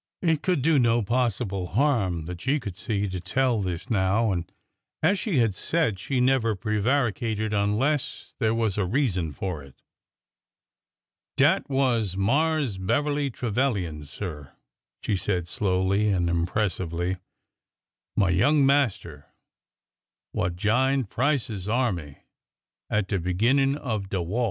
^ It could do no possible harm, that she could see, to tell this now, and, as she had said, she never prevaricated unless there was a reason for it. Dat was Marse Beverly Trevilian, sir," she said slowly and impressively ;" my young master w^ha' j 'ined Price's army at de beginnin' of de wah.